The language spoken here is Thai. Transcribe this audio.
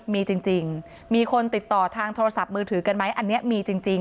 มีจริงมีคนติดต่อทางโทรศัพท์มือถือกันไหมอันนี้มีจริง